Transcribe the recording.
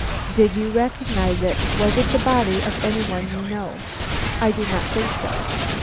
"Did you recognize it? Was it the body of any one you know?" "I do not think so."